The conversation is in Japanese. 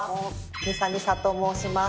みさみさと申します。